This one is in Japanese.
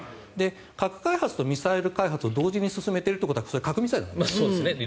核開発とミサイル開発を同時に進めているというのは核ミサイルですよね。